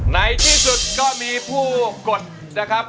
ในที่สุดก็มีผู้กดนะครับ